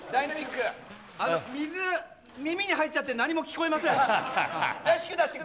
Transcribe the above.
水、耳に入っちゃって何も聞こえません。